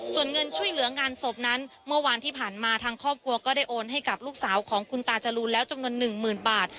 ส่วนเงินช่วยเหลืองานศพนั้นเมื่อวานที่ผ่านมาทางครอบครัวก็ได้โอนให้กับลูกสาวของคุณตาจรูนแล้วจำนวนหนึ่งหมื่นบาท